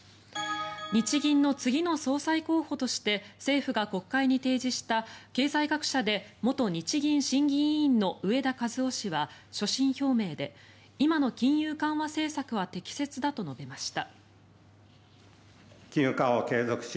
日銀の次の総裁候補として政府が国会に提示した経済学者で元日銀審議委員の植田和男氏は所信表明で今の金融緩和政策は適切だと述べました。